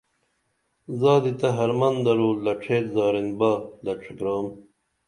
زادی تہ حرمن درو لڇھیت زارِن باغ لڇھگرام